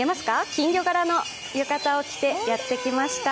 金魚柄の浴衣を着てやってきました。